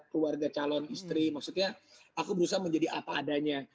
keluarga calon istri maksudnya aku berusaha menjadi apa adanya